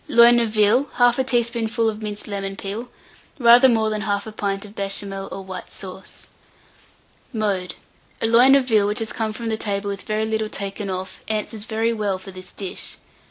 Loin of veal, 1/2 teaspoonful of minced lemon peel, rather more than 1/2 pint of Béchamel or white sauce. Mode. A loin of veal which has come from table with very little taken off, answers very well for this dish.